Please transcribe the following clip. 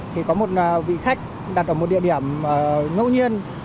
thì có một vị khách đặt ở một địa điểm ngẫu nhiên